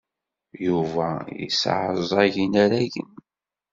Yuba yesseɛẓeg inaragen.